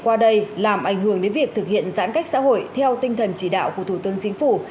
qua đây làm ảnh hưởng đến việc thực hiện giãn cách xã hội theo tinh thần chỉ đạo của thủ tướng chính phủ